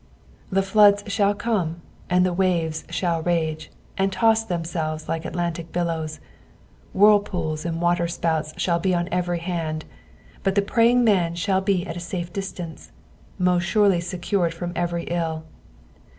'" The floods shall come, and the waves shall rage, and toss themselves like Atlantic billows ; whirlpools and waterspouts shall be on every hand, but the praying man shall be at a safe distance, most surely secured from every ill.